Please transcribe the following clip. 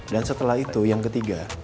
dan setelah itu yang ketiga